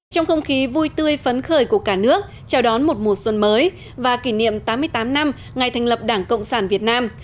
trong không khí vui tươi phấn khởi của cả nước chào đón một mùa xuân mới và kỷ niệm tám mươi tám năm ngày thành lập đảng cộng sản việt nam